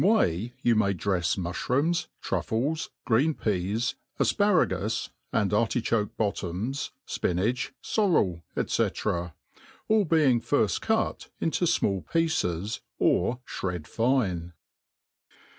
way you may drefs mu&rpoms, truffles, green peas, aiparagtts, and artichokt*bo^toms, fpinach, forrel, &c; all being ^rft cut into fmall pieces, or fhred fine.